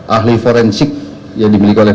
ahli forensik yang dimiliki oleh